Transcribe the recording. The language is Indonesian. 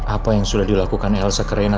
apa yang sudah dilakukan elsa ke rena